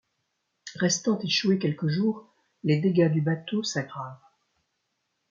Restant échoué quelques jours, les dégâts du bateau s'aggravent.